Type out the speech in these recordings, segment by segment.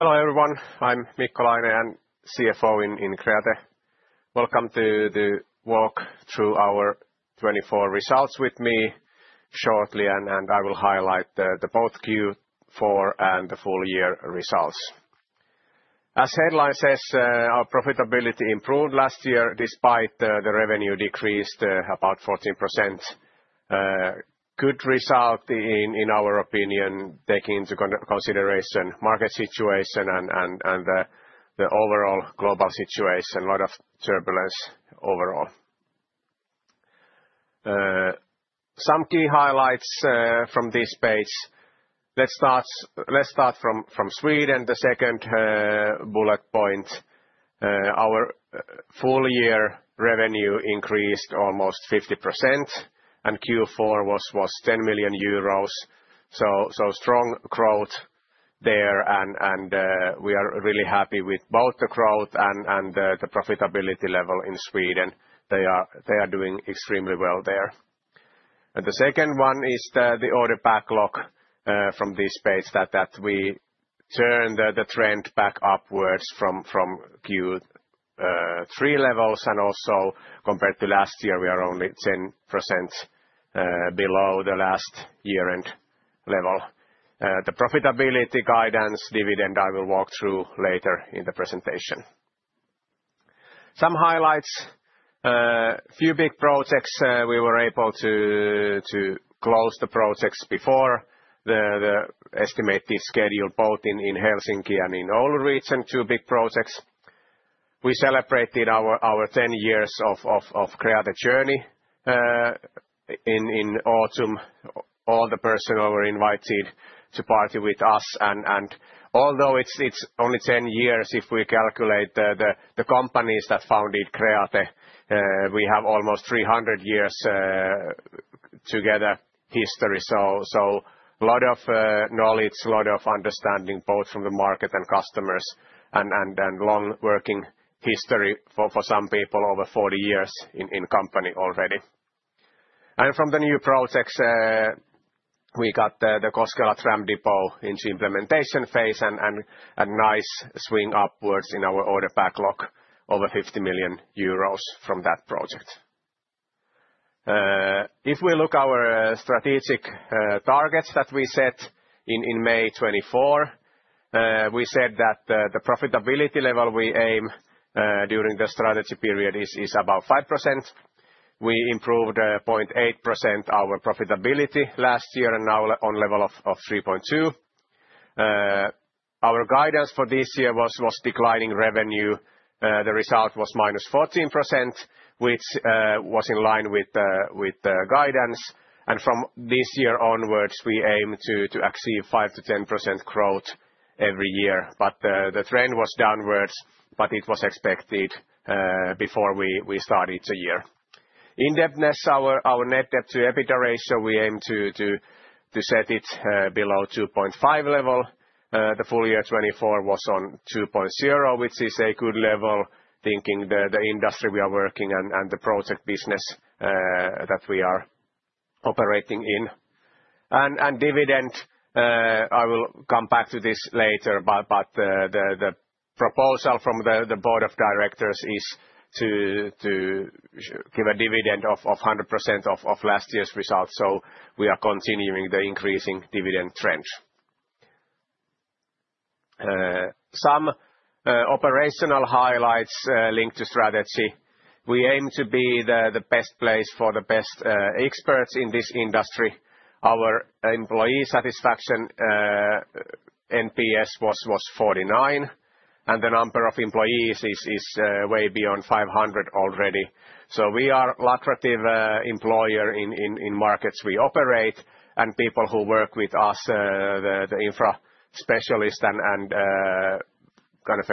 Hello everyone, I'm Mikko Laine, CFO in Kreate. Welcome to the walk through our 2024 results with me shortly, and I will highlight the both Q4 and the full year results. As the headline says, our profitability improved last year despite the revenue decreased about 14%. Good result in our opinion, taking into consideration the market situation and the overall global situation. A lot of turbulence overall. Some key highlights from this page. Let's start from Sweden, the second bullet point. Our full year revenue increased almost 50%, and Q4 was 10 million euros. Strong growth there, and we are really happy with both the growth and the profitability level in Sweden. They are doing extremely well there. The second one is the order backlog from this page that we turned the trend back upwards from Q3 levels, and also compared to last year, we are only 10% below the last year-end level. The profitability guidance dividend I will walk through later in the presentation. Some highlights, a few big projects we were able to close the projects before the estimated schedule, both in Helsinki and in Oulu region, two big projects. We celebrated our 10 years of Kreate journey in autumn. All the personnel were invited to party with us, and although it's only 10 years if we calculate the companies that founded Kreate, we have almost 300 years together history. A lot of knowledge, a lot of understanding both from the market and customers, and long working history for some people over 40 years in company already. From the new projects, we got the Koskela tram depot into implementation phase and a nice swing upwards in our order backlog, over 50 million euros from that project. If we look at our strategic targets that we set in May 2024, we said that the profitability level we aim during the strategy period is about 5%. We improved 0.8% our profitability last year and now on level of 3.2%. Our guidance for this year was declining revenue. The result was minus 14%, which was in line with the guidance. From this year onwards, we aim to achieve 5-10% growth every year. The trend was downwards, but it was expected before we started the year. Indebtedness, our net debt to EBITDA ratio, we aim to set it below 2.5 level. The full year 2024 was on 2.0, which is a good level thinking the industry we are working and the project business that we are operating in. Dividend, I will come back to this later, but the proposal from the board of directors is to give a dividend of 100% of last year's results. We are continuing the increasing dividend trend. Some operational highlights linked to strategy. We aim to be the best place for the best experts in this industry. Our employee satisfaction NPS was 49, and the number of employees is way beyond 500 already. We are a lucrative employer in markets we operate, and people who work with us, the infra specialists and kind of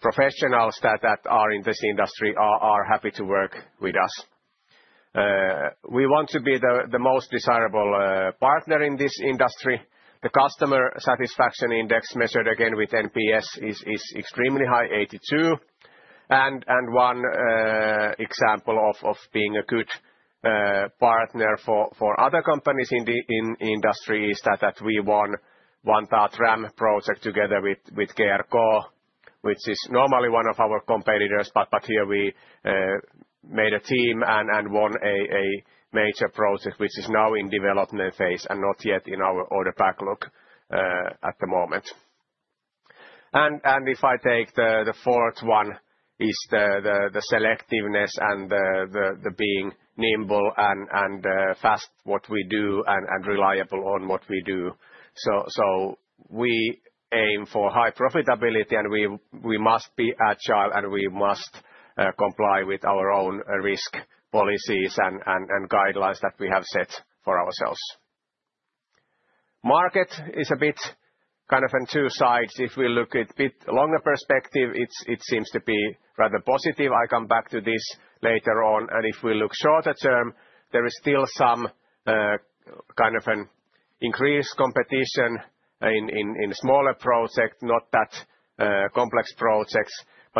professionals that are in this industry are happy to work with us. We want to be the most desirable partner in this industry. The customer satisfaction index measured again with NPS is extremely high, 82. One example of being a good partner for other companies in the industry is that we won, Vantaa tram project together with GRK, which is normally one of our competitors, but here we made a team and won a major project, which is now in development phase and not yet in our order backlog at the moment. If I take the fourth one, it is the selectiveness and the being nimble and fast in what we do and reliable on what we do. We aim for high profitability and we must be agile and we must comply with our own risk policies and guidelines that we have set for ourselves. Market is a bit kind of on two sides. If we look at a bit longer perspective, it seems to be rather positive. I come back to this later on. If we look shorter term, there is still some kind of an increased competition in smaller projects, not that complex projects.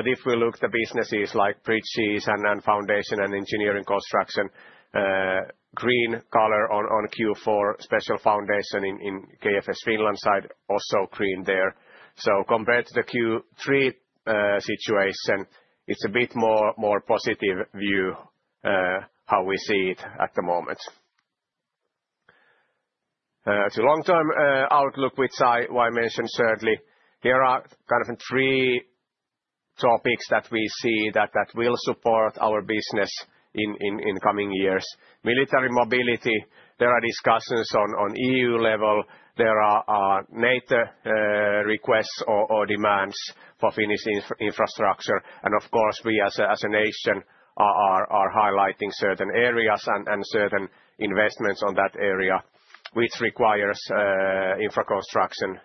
If we look at the businesses like Bridges and Foundation and Engineering Construction, green color on Q4, special foundation in KFS Finland side, also green there. Compared to the Q3 situation, it's a bit more positive view how we see it at the moment. To long-term outlook, which I mentioned shortly, there are kind of three topics that we see that will support our business in coming years. Military mobility, there are discussions on EU level, there are NATO requests or demands for Finnish infrastructure. Of course, we as a nation are highlighting certain areas and certain investments on that area, which requires infra construction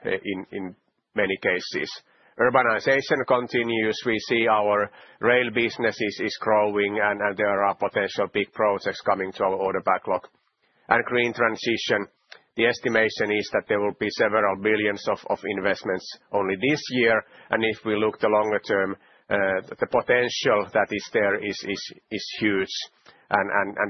in many cases. Urbanization continues. We see our rail business is growing and there are potential big projects coming to our order backlog. Green transition, the estimation is that there will be several billions of investments only this year. If we look at the longer term, the potential that is there is huge.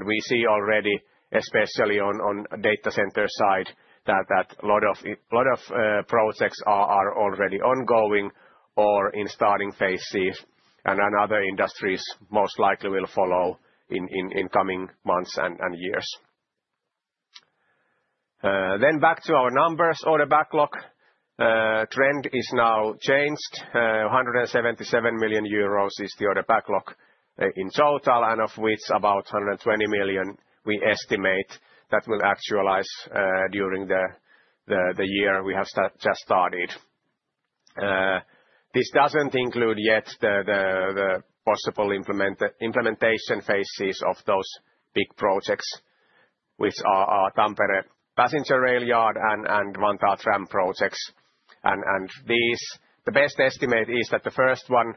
We see already, especially on data center side, that a lot of projects are already ongoing or in starting phases. Other industries most likely will follow in coming months and years. Back to our numbers, order backlog trend is now changed. 177 million euros is the order backlog in total, of which about 120 million we estimate that will actualize during the year we have just started. This does not include yet the possible implementation phases of those big projects, which are Tampere passenger railway yard and Vantaa tram project. The best estimate is that the first one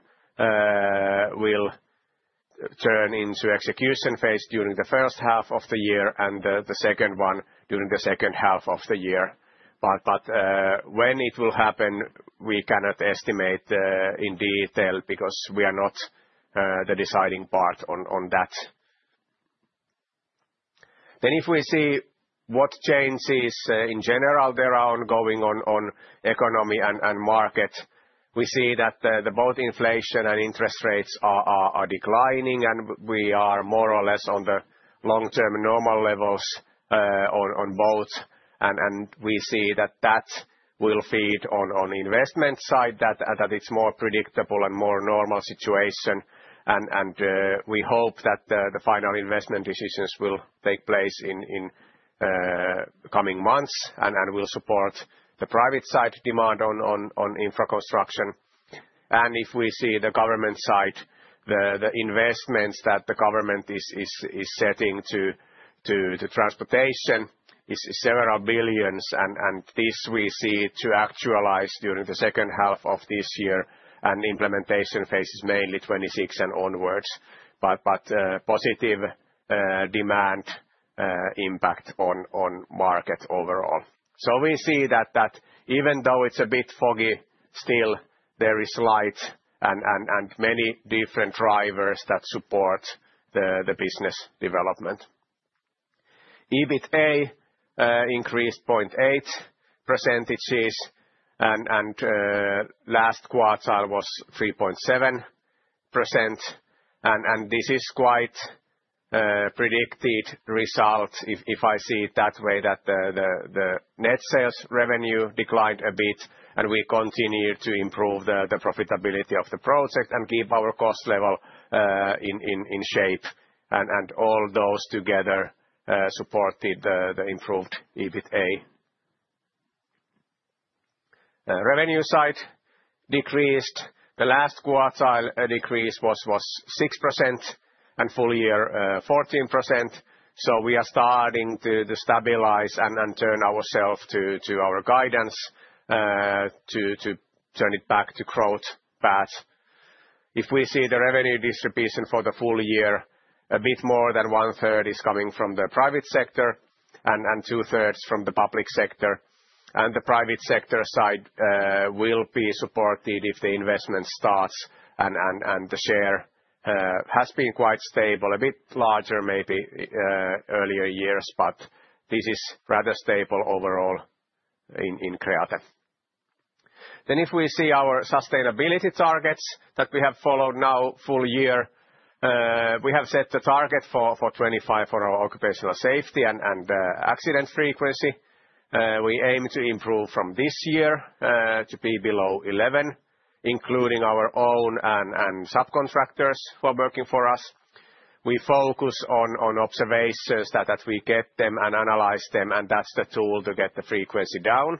will turn into execution phase during the first half of the year and the second one during the second half of the year. When it will happen, we cannot estimate in detail because we are not the deciding part on that. If we see what changes in general there are ongoing on economy and market, we see that both inflation and interest rates are declining and we are more or less on the long-term normal levels on both. We see that that will feed on investment side, that it is a more predictable and more normal situation. We hope that the final investment decisions will take place in coming months and will support the private side demand on infra construction. If we see the government side, the investments that the government is setting to transportation is several billions, and this we see to actualize during the second half of this year and implementation phases mainly 2026 and onwards, but positive demand impact on market overall. We see that even though it's a bit foggy, still there is light and many different drivers that support the business development. EBITA increased 0.8% and last quartile was 3.7%. This is quite a predicted result if I see it that way, that the net sales revenue declined a bit and we continue to improve the profitability of the project and keep our cost level in shape. All those together supported the improved EBITA. Revenue side decreased. The last quartile decrease was 6% and full year 14%. We are starting to stabilize and turn ourselves to our guidance to turn it back to growth path. If we see the revenue distribution for the full year, a bit more than one third is coming from the private sector and two thirds from the public sector. The private sector side will be supported if the investment starts and the share has been quite stable, a bit larger maybe earlier years, but this is rather stable overall in Kreate. If we see our sustainability targets that we have followed now full year, we have set the target for 2025 for our occupational safety and accident frequency. We aim to improve from this year to be below 11, including our own and subcontractors who are working for us. We focus on observations that we get them and analyze them, and that is the tool to get the frequency down.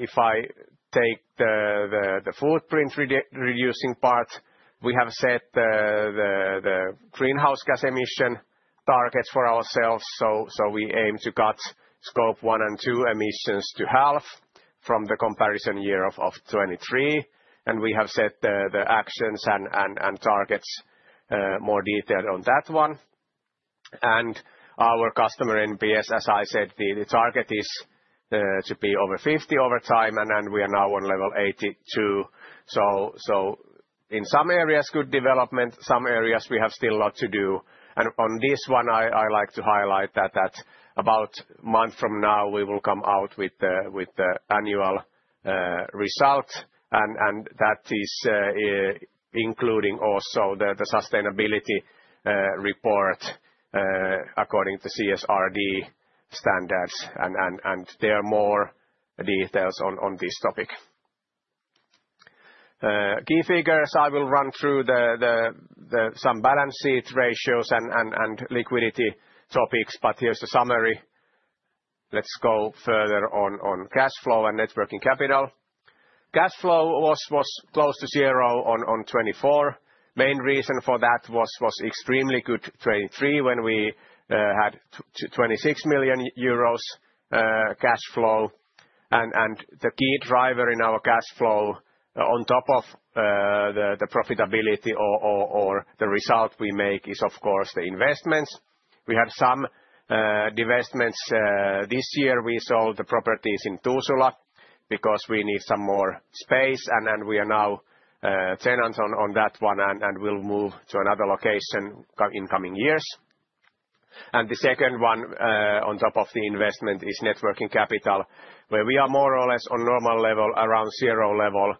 If I take the footprint reducing part, we have set the greenhouse gas emission targets for ourselves. We aim to cut Scope 1 and 2 emissions to half from the comparison year of 2023. We have set the actions and targets more detailed on that one. Our customer NPS, as I said, the target is to be over 50 over time and we are now on level 82. In some areas, good development, some areas we have still a lot to do. On this one, I like to highlight that about a month from now we will come out with the annual result. That is including also the sustainability report according to CSRD standards. There are more details on this topic. Key figures, I will run through some balance sheet ratios and liquidity topics, but here is the summary. Let's go further on cash flow and net working capital. Cash flow was close to zero in 2024. Main reason for that was extremely good 2023 when we had 26 million euros cash flow. The key driver in our cash flow on top of the profitability or the result we make is of course the investments. We had some divestments this year. We sold the properties in Tuusula because we need some more space and we are now tenants on that one and will move to another location in coming years. The second one on top of the investment is net working capital, where we are more or less on normal level, around zero level.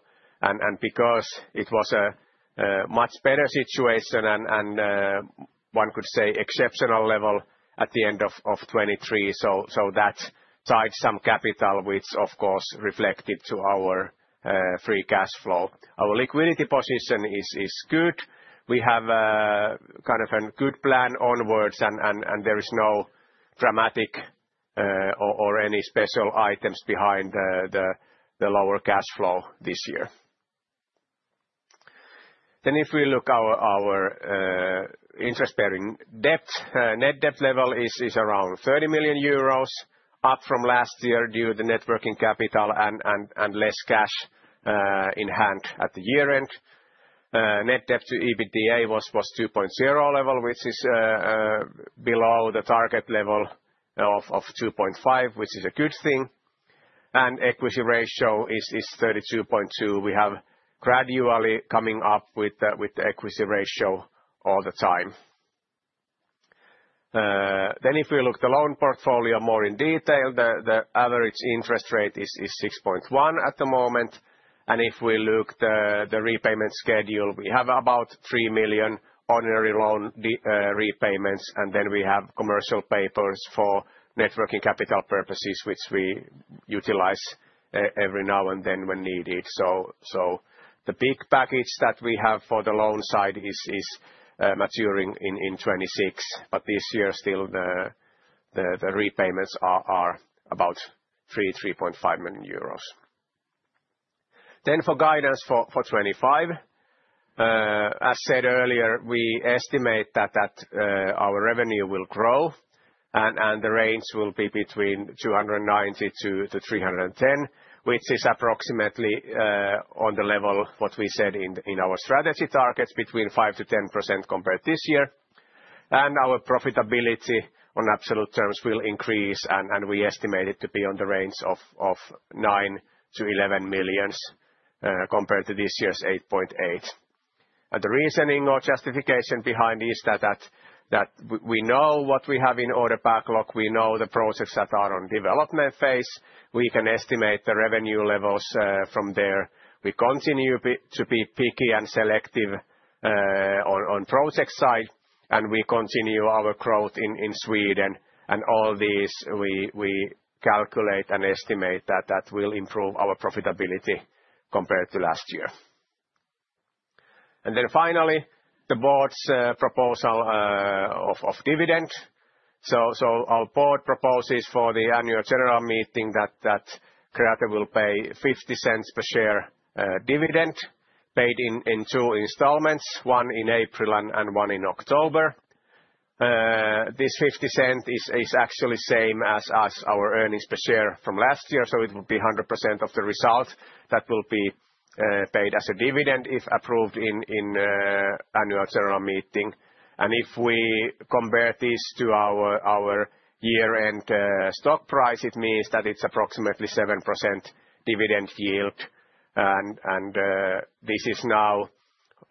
Because it was a much better situation and one could say exceptional level at the end of 2023, that tied some capital, which of course reflected to our free cash flow. Our liquidity position is good. We have kind of a good plan onwards and there is no dramatic or any special items behind the lower cash flow this year. If we look at our interest-bearing debt, net debt level is around 30 million euros, up from last year due to the net working capital and less cash in hand at the year end. Net debt to EBITDA was 2.0 level, which is below the target level of 2.5, which is a good thing. Equity ratio is 32.2%. We have gradually coming up with the equity ratio all the time. If we look at the loan portfolio more in detail, the average interest rate is 6.1% at the moment. If we look at the repayment schedule, we have about 3 million ordinary loan repayments, and then we have commercial papers for net working capital purposes, which we utilize every now and then when needed. The big package that we have for the loan side is maturing in 2026, but this year still the repayments are about 3 million-3.5 million euros. For guidance for 2025, as said earlier, we estimate that our revenue will grow and the range will be between 290 million-310 million, which is approximately on the level of what we said in our strategy targets, between 5%-10% compared to this year. Our profitability on absolute terms will increase and we estimate it to be in the range of 9 million-11 million compared to this year's 8.8 million. The reasoning or justification behind this is that we know what we have in order backlog, we know the projects that are on development phase, we can estimate the revenue levels from there. We continue to be picky and selective on project side and we continue our growth in Sweden. All these we calculate and estimate that will improve our profitability compared to last year. Finally, the board's proposal of dividend. Our board proposes for the annual general meeting that Kreate will pay 0.50 per share dividend paid in two installments, one in April and one in October. This 0.50 is actually the same as our earnings per share from last year, so it will be 100% of the result that will be paid as a dividend if approved in annual general meeting. If we compare this to our year-end stock price, it means that it's approximately 7% dividend yield. This is now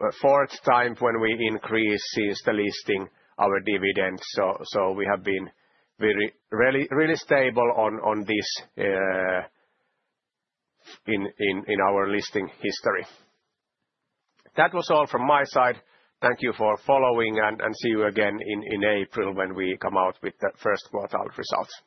the fourth time when we increased since the listing our dividend. We have been really stable on this in our listing history. That was all from my side. Thank you for following and see you again in April when we come out with the first quartile results.